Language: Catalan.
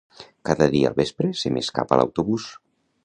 Cada dia al vespre se m'escapa l'autobús